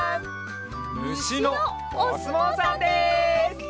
むしのおすもうさんです！